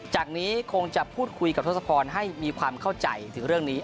จากนี้คงจะพูดคุยกับทศพรให้มีความเข้าใจถึงเรื่องนี้